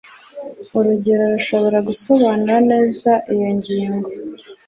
Urugero rushobora gusobanura neza iyo ngingo.